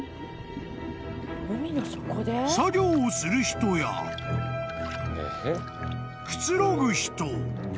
［作業をする人やくつろぐ人］